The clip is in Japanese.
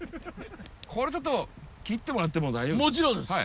ちょっと切ってもらっても大丈夫ですか？